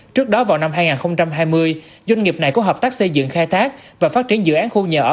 trước đó vào năm hai nghìn hai mươi doanh nghiệp này có hợp tác xây dựng khai thác và phát triển dự án khu nhà ở